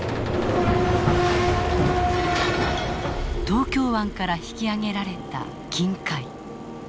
東京湾から引き上げられた金塊。